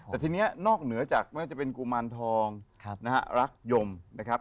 แต่ทีนี้นอกเหนือจากไม่ว่าจะเป็นกุมารทองนะฮะรักยมนะครับ